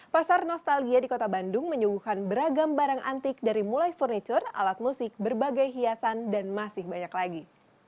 pasar nostalgia di kota bandung menyuguhkan beragam barang antik dari mulai furniture alat musik berbagai hiasan dan masih banyak lagi